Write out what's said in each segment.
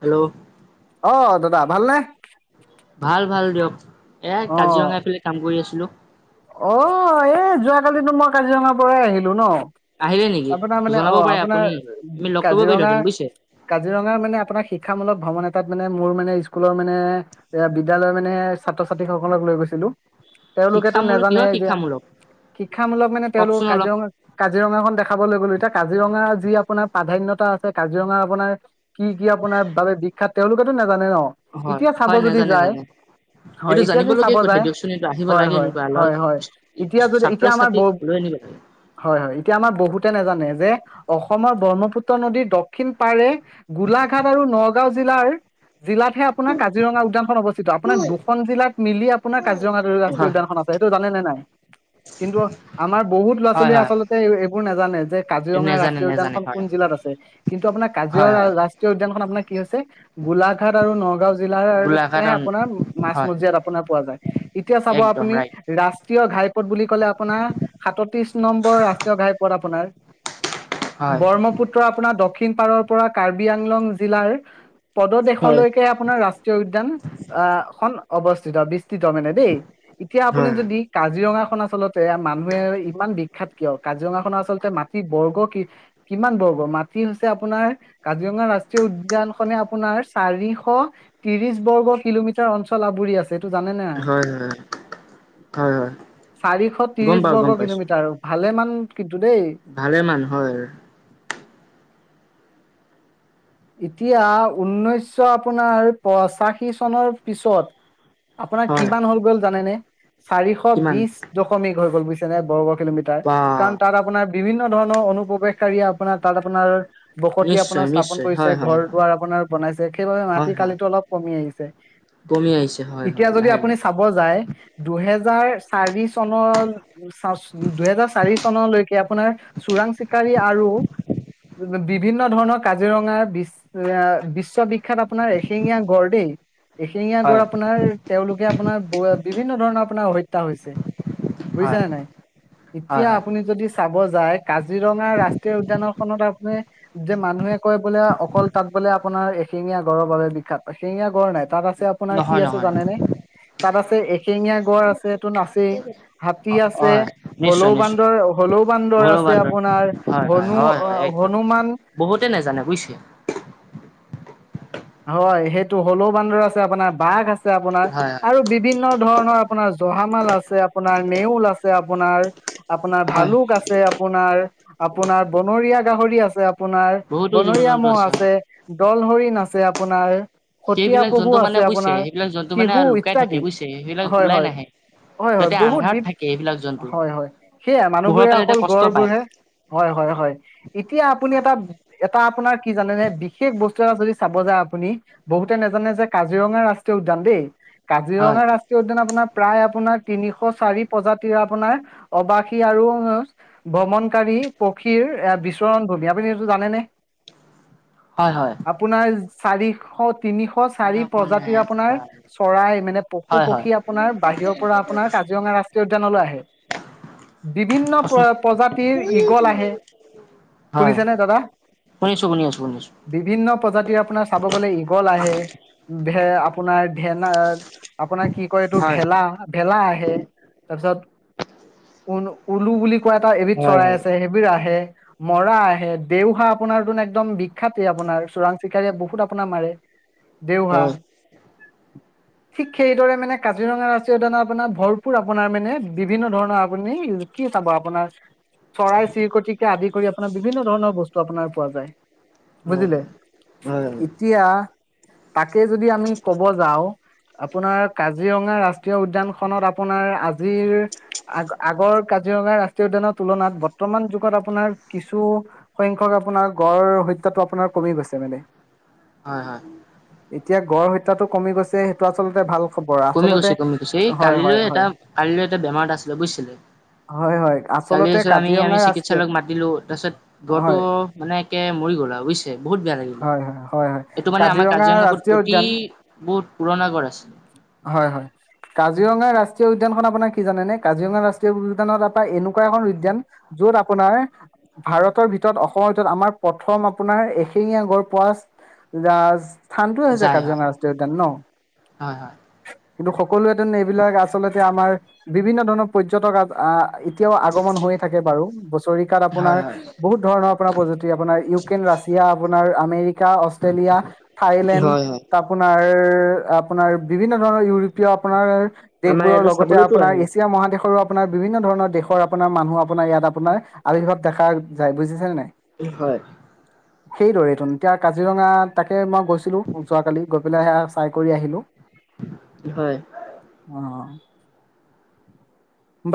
Hello অ দাদা ভালনে ভাল ভাল দিয়ক এ অ কাজিৰঙা এইফালে কাম কৰি আছোঁ হেল্ল' অ এ যোৱাকালি টো মই কাজিৰঙাৰ পৰাই আহিলো ন আহিলে নেকি আপোনাৰ মানে জনাব অ পাৰে আপোনাৰ আপুনি আমি লগ কৰিব কাজিৰঙা পাৰিলোহেঁতেন বুজিছে কাজিৰঙাৰ মানে আপোনাৰ শিক্ষামূলক ভ্ৰমণ এটাত মানে মোৰ মানে স্কুলৰ মানে এ বিদ্যালয়ৰ মানে ছাত্ৰ ছাত্ৰী সকলক লৈ গৈছিলো তেওঁলোকে শিক্ষামূলক নেজানোৱে কিহৰ এতিয়া শিক্ষামূলক শিক্ষামূলক মানে তেওঁলোক কওকচোন অলপ কাজিৰঙা কাজিৰঙা খন দেখাবলে লৈ গ'লো এতিয়া কাজিৰঙা যি আপোনাৰ প্ৰাধান্যয়তা আছে কাজিৰঙা আপোনাৰ কি কি আপোনাৰ বাবে বিখ্যাত তেওঁলোকেটো নেজানে হয় হয় নেজানে জানে হয় এইটো এতিয়া জানিব যদি চাব লগিয়া কথাই যায় দিয়কচোন এইটো আহিব হয় লাগে হয় এনেকুৱা লগ হয় হয় এতিয়া যদি ছাত্ৰ এতিয়া আমাৰ ছাত্ৰীক বহ লৈ আনিব লাগে হয় হয় এতিয়া আমাৰ বহুতে নেজানে যে অসমৰ ব্ৰহ্মপুত্ৰ নদীৰ দক্ষিণ পাৰে গোলাঘাট আৰু নগাঁও জিলাৰ জিলাতহে আপোনাৰ কাজিৰঙা উদ্যানখন অৱস্থিত আপোনাৰ দুখন জিলাত মিলি আপোনাক কাজিৰঙাটো ৰাষ্টীয় হয় উদ্যান খনত সেইটো জানে নে নাই নাই কিন্তু আমাৰ বহুত ল'ৰা হয় ছোৱালীয়ে হয় আচলতে এইবোৰ নেজানে যে কাজিৰঙা নেজানে ৰাষ্ট্ৰীয় নেজানে উদ্যানখন হয় কোন জিলাত আছে কিন্তু আপোনাৰ হয় কাজিৰঙা হয় ৰাষ্ট্ৰীয় উদ্যানখন আপোনাক কি হৈছে গোলাঘাট আৰু নগাঁও গোলাঘাট জিলাতেহে আপোনাৰ মাজ হয় মজিয়াত আপোনাৰ পোৱা যায় এতিয়া চাব একদম আপুনি ৰাইট ৰাষ্ট্ৰীয় ঘাইপথ বুলি ক'লে আপোনাৰ সাতত্ৰিশ নম্বৰ ৰাষ্ট্ৰীয় ঘাইপথ আপোনাৰ হয় ব্ৰহ্মপুত্ৰ আপোনাৰ দক্ষিণ দক্ষিণ পাৰৰ পৰা কাৰ্বি আংলং জিলাৰ হয় পদদেশলৈকে আপোনাৰ ৰাষ্ট্ৰীয় উদ্যান আহ খন অৱস্থি বিস্তৃত বিস্তৃত মানে দেই এতিয়া আপুনি হয় যদি কাজিৰঙা খন আচলতে এয়া মানুহে ইমান বিখ্যাত কিয় কাজিৰঙা খনৰ আচলতে মাটিৰ বৰ্গ কি কিমান বৰ্গ মাটি হৈছে আপোনাৰ কাজিৰঙা ৰাষ্ট্ৰীয় উদ্যান খনে আপোনাৰ চাৰিশ ত্ৰিশ বৰ্গ কিলোমিটাৰ অঞ্চল আৱৰি আছে হয় হয় উম হয় হয় চাৰিশ গম ত্ৰিশ পাওঁ গম বৰ্গ পাইছো কিলোমিটাৰ ভালেমান কিন্তু দেই। ভালে মান হয়। এতিয়া ঊনৈছশ আপোনাৰ পঁচাশী চনৰ পিছত আপোনাৰ হয় কিমান হ'ল গ'ল জানেনে। চাৰিশ কিমান বিশ দশমিক হৈ গ'ল বুজ [unintelligible] কিলোমিটাৰ, বা কাৰণ তাত আপোনাৰ বিভিন্ন বিভিন্ন ধৰণৰ অনুপ্ৰৱেশকাৰীয়ে আপোনাৰ তাত আপোনাৰ বসতি নিশ্চয় আপোনাৰ স্থাপন নিশ্চয় হয় হৈছে, হয় ঘৰ হয় দুৱাৰ আপোনাৰ বনাইছে, সেইবাবে হয় মাটি হয় কালিটো অলপ কমি আহিছে। কমি আহিছে হয় এতিয়া হয় যদি লাহে আপুনি লাহে চাব যায়, দুহেজাৰ চাৰি চনৰ দুহেজাৰ চাৰি চনলৈকে আপোনাৰ চোৰাং চিকাৰী আৰু বিভিন্ন ধৰণৰ কা কাজিৰঙাৰ বিশ্ব এ বিশ্ববিখ্যাত আপোনাৰ এশিঙীয়া গড় দেই। এশিঙীয়া গড় হয় আপোনাৰ তেওঁলোকে আপোনাৰ বিভিন্ন ধৰণৰ আপোনাৰ হত্যা হৈছে। হয় বুজিছা নে নাই, হয় এতিয়া হয় আপুনি যদি চাব যায় কাজিৰঙা ৰাষ্ট্ৰীয় উদ্যানৰ খনত আপুনি যে মানুহে কয় বোলে অকল তাত বোলে আপোনাৰ এশীঙীয়া গড়ৰ বাবে বি্খ্যাত, এশীঙীয়া গড় নাই, তাত আছ আছে আপোনাৰ কি নহয় আছে নহয় নহয় জানেনে। তাত আছে এশেঙীয়া গড় আছে এইটো নাচেই। হাতী আছে, হয় নিশ্চয় হলৌ নিশ্চয় বান্দৰ হলৌ বান্দৰ আছে গৌৰৱান্বিত আপোনাৰ হয় হয় হনু হনুমান বুইছে। হয়, সেইটো হ'লৌ বান্দৰ আছে আপোনাৰ বাঘ আছে ছে আপোনাৰ হয় হয় আৰু বিভিন্ন ধৰণৰ আপোনাৰ জহামাল আছে আপোনাৰ, নেউল আছে আপোনাৰ আপোনাৰ হয় ভালুক আছে আপোনাৰ আপোনাৰ বনৰীয়া গাহৰি আছে আপোনাৰ বহুতো জীৱ বনৰীয়া জন্তু মহ' হয় আছে, দল হৰি আছে আপোনাৰ সতিয়া সেইবিলাক পহু জন্তু মানে আছে বুজিছে আপোনাৰ, সেইবিলাক জন্তু মানে শিহু লুকাই থাকে ইত্যাদি বুজিছে সেইবিলাক হয় ওলাই নাহে হয়-হয়-হয় সিহঁতে বহুত আন্ধাৰত বি থাকে এইবিলাক জন্তু হয় হয়, সেয়া পোহৰ মানুহবোৰে পালে সিহঁতে অকল কষ্ট পায় গড়বোৰহে হয় হয়-হয়, এতিয়া আপুনি এটা-এটা আপোনাৰ কি জানেনে বিশেষ বস্তু এটা যদি চাব যা আপুনি বহুতে নাজানে যে কাজিৰঙা ৰাষ্ট্ৰীয় উদ্যান দেই। হয় কাজিৰঙা ৰাষ্ট্ৰীয় উদ্যান আপোনাৰ প্ৰায় আপোনাক তিনিশ চাৰি প্ৰজাতিৰে আপোনাৰ অবাসী আৰু ভ্ৰমণকাৰী পক্ষীৰ এ বিচৰণ ভূমি আপুনি এইটো জানেনে হয় হয় আপোন আজ চাৰিশত তিনিশ চাৰি শুনা পোৱা নাই প্ৰজাতিৰ আপোনাৰ চৰাই মানে পশু হয় হয় পক্ষী আপোনাৰ বাহিৰৰ পৰা আপোনাৰ কাজিৰঙা ৰাষ্ট্ৰীয় উদ্যানলৈ আহে বিভিন্ন প্ৰ প্ৰজাতিৰ ইগল আহে হয় শুনিছে নে দাদা শুনিছো শুনি আছো শুনিছো বিভিন্ন প্ৰজাতিৰ আপোনাৰ ' লাগ [unintelligible] বল আহ আপোনাৰ ধেন আপোনাৰ কি কয় এইটো হয়। ভেলা ভেলা আহে তাৰপিছত উ উৰ্দু বুলি এনেকুৱা এটা এবিধ হয় চৰাই হয়। আছে সেইবিধ আহে মৰা আহে দেউহা আপোনাৰ তোন একদম বিখ্যাতে আপোনাৰ চোৰাং চিকাৰীয়ে বহুত আপনা মাৰে দেউহা হয় ঠিক সেইদৰে মানে কাজিৰঙা ৰাষ্ট্ৰীয় উদ্যান আপোনাৰ ভৰপূৰ আপোনাৰ মানে বিভিন্ন ধৰণৰ আপুনি কি চাব আপোনাৰ চৰাই চিৰিকটিকে আদি কৰি আপোনাৰ বিভিন্ন ধৰণৰ বস্তু আপোনাৰ পোৱা যায় বুজিলে হয় হয় এতিয়া তাকে যদি আমি কব যাওঁ আপোনাৰ কাজিৰঙা ৰাষ্ট্ৰীয় উদ্যান খনত আপোনাৰ আজিৰ আগ আগৰ কাজিৰঙা ৰাষ্ট্ৰীয় উদ্যানৰ তুলনাত বৰ্তমান যুগত আপোনাৰ কিছু সংখ্য্ক আপোনাৰ গড় হত্যাটো আপোনাৰ কমি গৈছে মানে হয় হয় গড়হত্যাটো কমি গৈছে সেইটো আচলতে ভাল খবৰ কমি আচলতে গৈছে কমি গৈছ এই হয় কালিলৈ হয় এটা হয় কালিলৈ এটা বেমাৰ এটা আছিলে বুজিছিলে হয় হয় কালি আচলতে পিছত আমি আমি কাজিৰঙা ৰাষ্ট্ৰীয় চিকিৎসালয়ক মাতিলো তাৰপিছত দৰটো হয় মানে একে মৰি গ'ল আৰু বুজিছেে বহুত বেয়া লাগিলে হয় হয় হয় হয় এইটো মানে আমাৰ কাজিৰঙা কাজিৰঙাপোৰ ৰাষ্ট্ৰীয় অতি উদ্যান বহুত পুৰণা গড় আছিল হয় হয় কাজিৰঙা ৰাষ্ট্ৰীয় উদ্যানখন আপোনাৰ কি জানেনেে কাজিৰঙা ৰাষ্ট্ৰীয় উদ্যানত আপ এনেকুৱা এখন উদ্যান যত আপোনাৰ ভাৰতৰ ভিতৰত অসমৰ ভিতৰত আমাৰ প্ৰথম আপোনাৰ এশিঙীয়া গড় ৰাজ স্থানটোও হৈছে যাই হয় কাজিৰঙা ৰাষ্ট্ৰীয় উদ্যান ন হয় হয় স [unintelligible] সকলোৱেতেন এইবিলাক আচলতে আমাৰ বিভিন্ন ধৰণৰ পৰ্যটক আহ এতিয়াও আগমন হৈয়ে থাকে বাৰু বছৰিকাত আপোনাৰ হয় হয় বহুত ধৰণৰ আপোনাৰ প্ৰযুতি আপোনাৰ ইউক্ৰেইন ৰাছিয়া আপোনাৰ আ অষ্টৈলীয়া ঠাইলেণ্ড হয় হয় আপোনাৰ আপোনাৰ বিভিন্ন ধৰণৰ ইউৰোপীয় আপোনাৰ আমাৰ এইবোৰৰ ইয়াতো লগতে চাবলৈতো আপোনাৰ আহে এছিয়া মহাদেশৰো আপোনাৰ বিভিন্ন ধৰণৰ দেশৰ আপোনাৰ মানুহ আপোনাৰ ইয়াত আপোনাৰ আৱিৰ্ভাৱ দেখা যায়। বুজিছেনে নাই? হয়। সেইদৰে তোন- এতিয়া কাজিৰঙা তাকে মই গৈছিলো যোৱাকালি, গৈ পেলাই সেয়া চাই কৰি আহিলো। হয় অ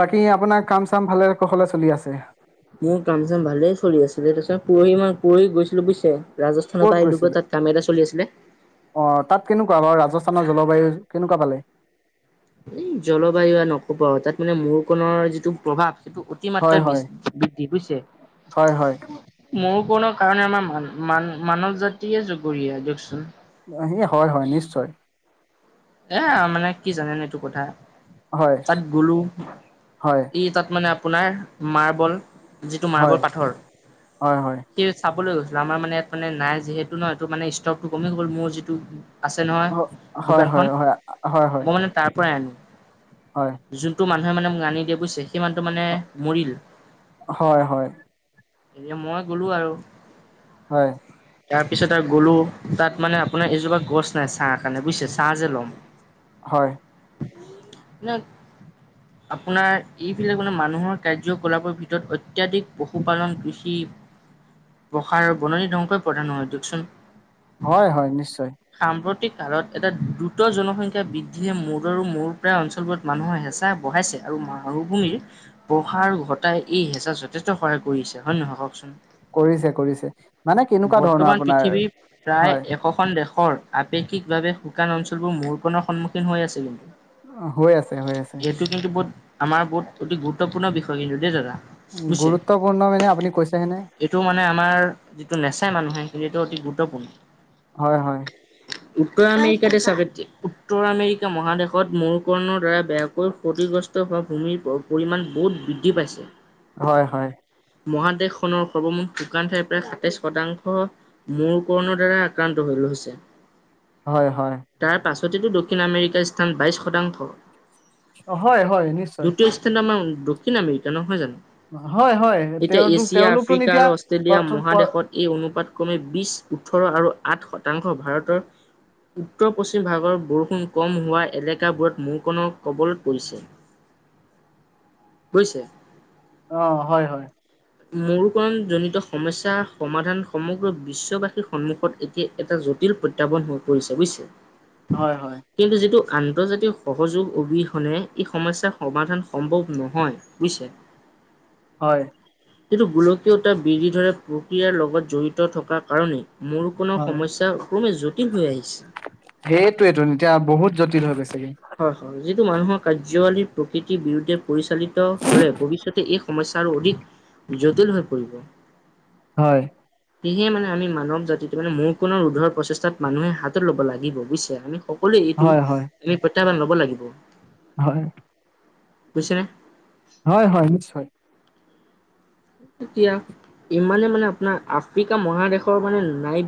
বাকী আপোনাৰ কাম চাম ভালে কৌশলে চলি আছে? মোৰ কাম চাম ভালেই চলি আছিলে তাৰপিছত পৰহি ম‌ই পৰহি গৈছিলো বুজিছে। ৰাজস্থানৰ ক'ত পৰা আহিলোগৈ গৈছিলে তাত কাম এল চলি আছিলে। কোৱা বাও ৰাজস্থানৰ জলবায়ু কেনেকুৱা পালে? জলবায়ু আৰু নকবা তাত মানে ম‌ওকণৰ যিটো প্ৰভাৱ টো হয় অতিমাত্ৰাই হয় বৃদ্ধি বুইজছে, হয় হয় মৰুকৰণৰ কাৰণে আমাৰ মান- মান মানৱ জাতিয়ে জগৰীয়া দিয়কচোন। সি হয় হয় নিশ্চয় এয়াও মানে কি জানেনে এইটো? কথা হয় তাত গলো হয় ই তাত মানে আ- আপোনাৰ মাৰ্বল- যিটো মাৰ্বল হয় পাথৰ, হয় হয় সেই চ- গৈছিল আমাৰ মানে ইয়াত মানে নাই যিহেতু ন, এই মানে ষ্টকটো কমি গ'ল মোৰ যিটো- আছে নহয় হয় হয় হয়। হয় হয়। পৱাইনো হয় যোনটো মানে হয় মানে মোক আনি দিয়ে বুইছে, কিমানটো মানে মৰিল, হয় হয় এতিয়া মই গ'লো আৰু। হয়। তাৰপিছত আৰু গ'লো, তাত মানে আপোনাৰ এজোপা গছ নাই ছাহ কাৰণে বুইছে, ছাহ যে ল'ম হয়। আপোনাৰ এইবিলাক মানে মানুহৰ কাৰ্যকলাপৰ ভিতৰত অত্যাধিক পশুপালন, কৃষি প্ৰসাৰৰ বননি ধ্বংসই প্ৰধান হয় দিয়কচোন। হয় হয় নিশ্চয়। তাৰত এটা দু- উুত্ৰ জনসংখ্যা বৃদ্ধিয়ে মূদ আৰু মৌৰ প্ৰায় অঞ্চলবোৰত মানুহৰ হেঁচা বঢ়াইছে, আৰু মৰুভূমিৰ প্ৰসাৰ ঘটাই এই হেঁচা যথেষ্ট সহায় কৰিছে হয় নহয় কওকচোন? কৰিছে কৰিছে মানে কেনেকুৱা ধৰণৰ বৰ্তমান আপোনাৰ পৃথিৱীৰ প্ৰায় হয়? এশখন আপেক্ষিকভাৱে শুকান অঞ্চল- োৰ মূৰনৰ সন্মুখীন হৈ আছে কিন্তু [unintelligible] অ হৈ আছে হৈ আছে এইটো কিন্তু বহুত আমাৰ বহুত অতি গুৰুত্বপূৰ্ণ বিষয় কিন্তু দেই দাদা বুজছে গুৰুত্বপূৰ্ণ মানে আপুনি কৈছেহেনে এইটো মানে আমাৰ যিটো নেচাই মানুহে সেইখিনিত অতি গুৰুত্বপূৰ্ণ হয় হয় উ আমি এইেইতে চাপ উত্তৰ আমেৰিকা মহাদেশত মৌকৰণৰ দ্বাৰা বেয়াকৈ ক্ষতিগ্ৰস্ত হোৱা ভূমিৰ পৰিমাণ বহুত বৃদ্ধি পাইছে হয় হয় মহাদেশখনৰ সৰ্বমুঠ সুকান ঠাই প্ৰায় সাতাইছ শতাংশ মূৰ কৰ্ণৰ দ্বাৰা আক্ৰান্ত হৈ ৰৈছে হয় হয় তাৰ পাছতেতো দক্ষিণ আমেৰিকাৰ স্থান বাইশ শতাংশ অ হয় হয় নিশ্চয় দ্বিতীয় স্থানত আমাৰ দক্ষিণ আমেৰিকা নহয় জানো হয় হয় এতিয়া তেওঁলোক এছিয়া, তেওঁলোকতো নি আফ্ৰিকা এতিয়া আৰু অষ্ট্ৰেলিয়া মহাদেশত এই অনুপাত ক্ৰমে বিশ ওঠৰ আৰু আঠ শতাংশ ভাৰতৰ উত্তৰ পশ্চিম ভাগৰ বৰষুণ কম হোৱা এলেকাবোৰত মূকণনৰ কবলত পৰিছে হৈছে অ হয় হয় মৰুকৰণজনিত সমস্যাৰ সমাধান সমগ্ৰ বিশ্ববাসীৰ সন্মুখত এতিয়া এটা জটিল প্ৰত্যাহ্বান হৈ পৰিছে বুজিছে হয় হয় কিন্তু যিটো আন্তৰ্জাতিক সহযোগ অবিহনে এই সমস্যাৰ সমাধান সম্ভৱ নহয় বুজছে হয় কিন্তু গোলকীয়তা বিধি ধৰে প্ৰক্ৰিয়াৰ লগত জড়িত থকাৰ কাৰণেই মোৰ কণনৰ হয় সমস্যা ক্রমে জটিল হৈ আহিছে সেইটোয়েটো এতিয়া বহুত জটিল হৈ গৈছে হয় হয় যি মানুহৰ কাৰ্যৱালী প্ৰকৃতিৰ বিৰুদ্ধে পৰিচালিত হলে ভৱিষ্যতে এই সমস্যা অধিক জটিল হৈ পৰিব হয় সেয়ে মানেআমি মানৱ জাতিটো মানে মৌকৰোণৰ ৰোধৰ প্ৰচেষ্টাত মানুহে হাতত ল'ব লাগিব বুইছে আমি [unintelligible] সকলোৱে এইটো হয় হয় কেইটামান ল'ব লাগিব হয় খচৰে [unintelligible] হয় হয় নিশ্চয় এতিয়া ইমানে মানে আপোনাৰ আফ্ৰিকা মহাদেশৰ মানে নাই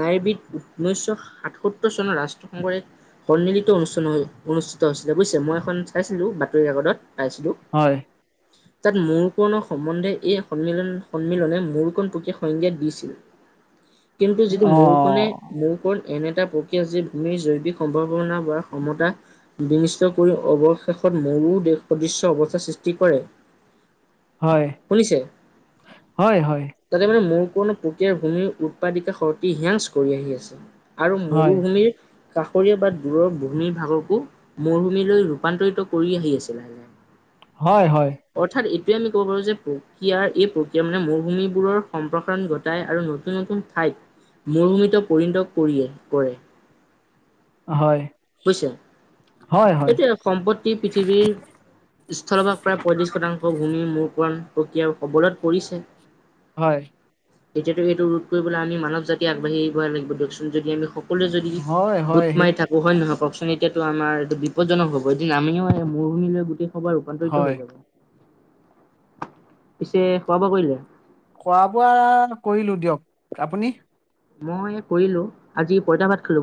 নাইবিিত নৈশ সাতসত্তৰ চনৰ ৰাষ্ট্ৰসংঘৰ এক সন্মিলিত অনুষ্ঠিত হৈ অনুষ্ঠিত হৈছিলে বুজিছে মই এখন চাইছিলো বাতৰি ৰেকৰ্ডত [unintelligible] আছলু হয় তাত মৌৰ কণনৰ সম্বন্ধে এই সন্মিলন সন্মিলনে মৌকৰণ পক সংজ্ঞাত দিছিল কিন্তু যিটো অ মোৰখনে মোৰখন এনে এটা প্ৰক্ৰিয়া যি ভূমিৰ জৈৱিক সম্ভাৱনা বা ক্ষমতা বিনিষ্ট কৰি অৱশেষত মৰু দেশ সদৃশ্য অৱস্থাৰ সৃষ্টি কৰে হয় শুনিছে হয় হয় তাতে মানে মোৰ কোনো প্ৰক্ৰিয়াৰ ভূমিৰ উৎপাদিত শক্তি হেয়াংছ কৰি আহি আছে আৰু হয় মৰুভূমিৰ কাষৰীয়া বাদ দূৰৰ ভূমিৰ ভাগকো মৰুভূমিলৈ ৰূপান্তৰিত কৰি আহি আছিলে হয় হয় এতিয়া আমি ক'ব পাৰো যে প্ৰক্ৰিয়াৰ এই প্ৰক্ৰিয়া মানে মৰুভূমিবোৰৰ সম্প্ৰসাৰণ ঘটাই আৰু নতুন নতুন ঠাইত মৰুভূমিত পৰিণত কৰিয়ে কৰে হয় হৈছে হয় এতিয়া সম্পত্তি পৃথিৱীৰ স্থলভাগ প্ৰায় পয়ত্ৰিশ শতাংশ ভূমি মৰু কৰণ প্ৰকীয়াও কবলত পৰিছে হয় তেতিয়াটো সেইটো ৰোধ কৰিবলৈ আমি মানৱ জাতি আগবাঢ়িব লাগিব দিয়কচোন যদি আমি সকলোৱে যদি হয় হয় হয় গোট সেই মাৰি থাকো হয় হয় নহয় কওকচোন এতিয়াটো আমাৰ এইটো বিপদজনক হ'ব এদিন আমিও মৰুভূমি লৈ গোটেই সবাৰ ৰূপান্তৰিত হয় হৈ যাব পিছে খোৱা বোৱা কৰিলে খোৱা বোৱা কৰিলো দিয়ক আপুনি মই কৰিলোঁ আজি পইতা ভাত খালো